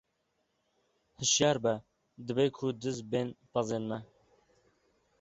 Hişyar be dibe ku diz bên pezên me!